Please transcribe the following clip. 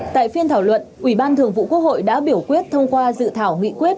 tại phiên thảo luận ủy ban thường vụ quốc hội đã biểu quyết thông qua dự thảo nghị quyết